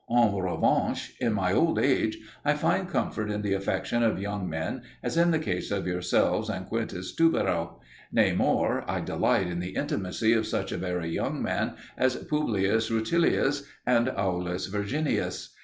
En revanche, in my old age I find comfort in the affection of young men, as in the case of yourselves and Quintus Tubero: nay more, I delight in the intimacy of such a very young man as Publius Rutilius and Aulus Verginius.